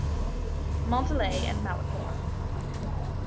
Montalais and Malicorne.